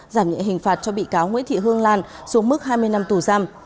giảm nhẹ hình phạt cho bị cáo nguyễn thị hương lan xuống mức hai mươi năm tù giam